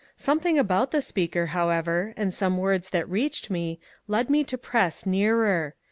Something about the speaker, however, and some words that reached me, led me to press nearer.